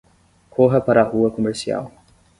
Corra para a rua comercial